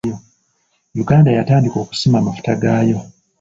Uganda yatandika okusima amafuta gaayo.